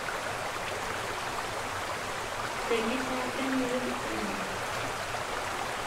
Dagi sɛiɣ kan yiwet n tamawt.